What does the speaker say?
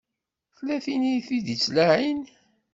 Tella tin i d-ittlaɛin.